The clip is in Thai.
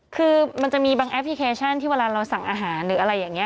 คือมันจะมีบางแอปพลิเคชันที่เวลาเราสั่งอาหารหรืออะไรอย่างนี้